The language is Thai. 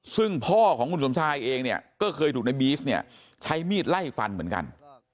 ซึ่งพ่อของคุณสมชายเองเนี่ยก็เคยถูกในบีซเนี่ยใช้มีดไล่ฟันเหมือนกัน